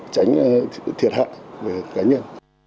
tránh thiệt hại về cá nhân